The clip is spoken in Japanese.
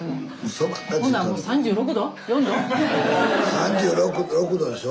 ３６℃でしょ。